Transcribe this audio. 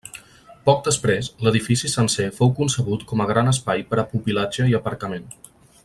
Poc després, l'edifici sencer fou concebut com a gran espai per a pupil·latge i aparcament.